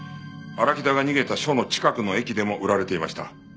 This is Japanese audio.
荒木田が逃げた署の近くの駅でも売られていました。